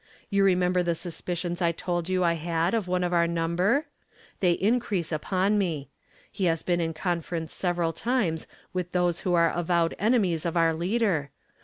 You remem ber the suspicions I told you I had of one of our number? They increase upon me. He has been in conference several times with those who are avowed enemies of our Leader.